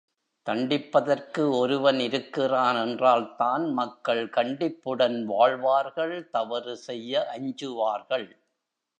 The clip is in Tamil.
தண்டிப்பதற்கு ஒருவன் இருக்கிறான் என்றால்தான் மக்கள் கண்டிப்புடன் வாழ்வார்கள் தவறு செய்ய அஞ்சுவார்கள்.